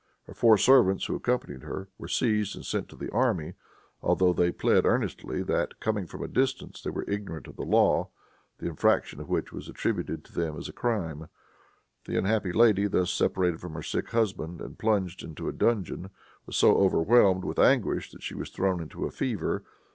Her four servants, who accompanied her, were seized and sent to the army, although they plead earnestly that, coming from a distance, they were ignorant of the law, the infraction of which was attributed to them as a crime. The unhappy lady, thus separated from her sick husband, and plunged into a dungeon, was so overwhelmed with anguish that she was thrown into a fever.